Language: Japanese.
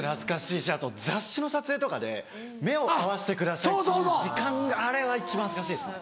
あと雑誌の撮影とかで目を合わしてくださいっていう時間があれが一番恥ずかしいですね